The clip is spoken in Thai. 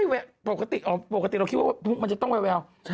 มีสีครีมผิวเรียบไม่ค่อยแววปกติอ๋อปกติเราคิดว่ามุกมันจะต้องแววแวว